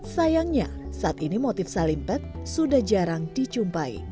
sayangnya saat ini motif salimpet sudah jarang dicumpai